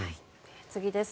次です。